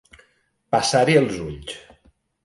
Passar-hi els ulls.